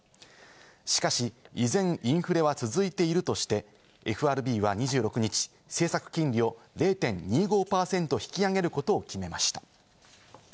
しかし、依然インフレは続いているとして、ＦＲＢは２６日、政策金利を０．２５％引き上げることを決めました。